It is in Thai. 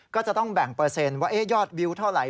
ก็จะต้องแบ่งเปอร์เซ็นต์ว่ายอดวิวเท่าไหร